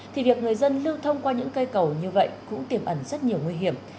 thì việc người dân lưu thông qua những cây cầu như vậy cũng tiềm ẩn rất nhiều nguy hiểm